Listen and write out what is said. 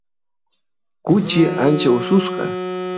kuchi ancha ususqa